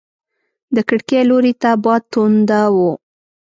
د کړکۍ لوري ته باد تونده و.